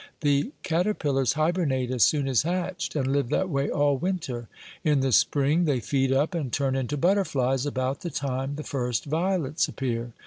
The caterpillars hibernate as soon as hatched, and live that way all winter. In the spring they feed up, and turn into butterflies about the time the first violets appear.